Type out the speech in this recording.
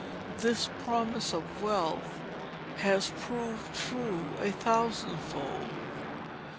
This promise of wealth has proved true a thousandfold.